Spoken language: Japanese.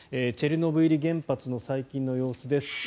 チェルノブイリ原発の最近の様子です。